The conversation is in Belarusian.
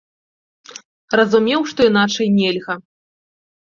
Разумеў, што іначай нельга.